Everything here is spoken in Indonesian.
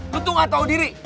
lo tuh nggak tahu diri